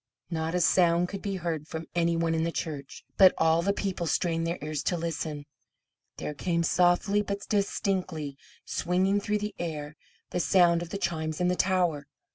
Not a sound could be heard from any one in the church, but as all the people strained their ears to listen, there came softly, but distinctly, swinging through the air, the sound of the chimes in the tower.